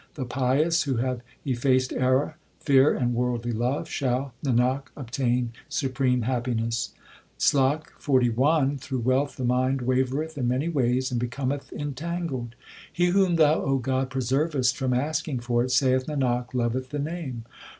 The pious who have effaced error, fear, and worldly love, Shall, Nanak, obtain supreme happiness. SLOK XLI Through wealth the mind wavereth in many ways and becometh entangled ; He whom Thou, O God, preservest from asking for it, saith Nanak, loveth the Name.